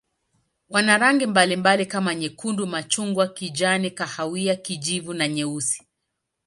Wana rangi mbalimbali kama nyekundu, machungwa, kijani, kahawia, kijivu na nyeusi.